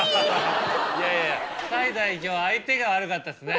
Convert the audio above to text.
いやいやタイ代表相手が悪かったですね。